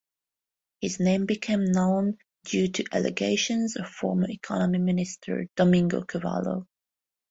His name became known due to allegations of former economy minister Domingo Cavallo.